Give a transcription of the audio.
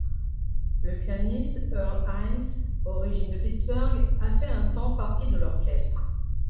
Le pianiste Earl Hines, origine de Pittsburgh a fait un temps partie de l'orchestre.